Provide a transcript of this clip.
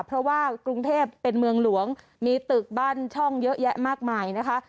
เพราะว่ากรุงเทพเป็นเมืองหลวงมีตึกบ้านช่องเยอะแยะมากมายนะคะ